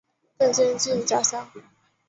更接近家乡